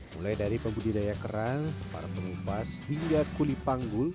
mulai dari pembudidaya kerang para penumpas hingga kulipanggul